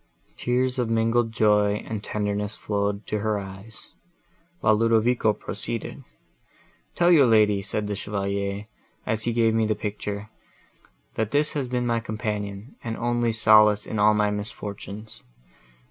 Tears of mingled joy and tenderness flowed to her eyes, while Ludovico proceeded—"'Tell your lady,' said the Chevalier, as he gave me the picture, 'that this has been my companion, and only solace in all my misfortunes.